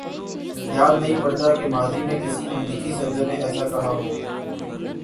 یاد نہیں پڑتا کہ ماضی میں کسی امریکی صدر نے ایسا کہا ہو۔